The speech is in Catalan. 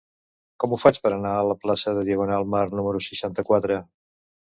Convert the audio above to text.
Com ho faig per anar a la plaça de Diagonal Mar número seixanta-quatre?